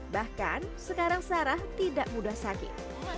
bahkan sekarang sarah tidak mudah sakit